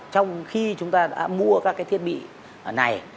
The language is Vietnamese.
trong khi chúng ta đã mua các cái thiết bị này